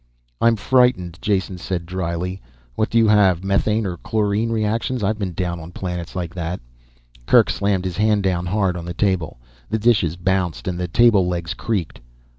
"I'm frightened," Jason said dryly. "What do you have methane or chlorine reactions? I've been down on planets like that "Kerk slammed his hand down hard on the table. The dishes bounced and the table legs creaked.